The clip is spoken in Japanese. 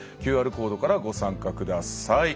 ＱＲコードからご参加下さい。